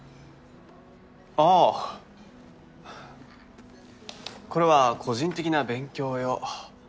ああこれは個人的な勉強用